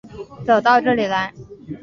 走到这里来